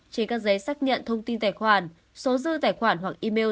trên các giấy xác nhận thông tin tài khoản số dư tài khoản hoặc email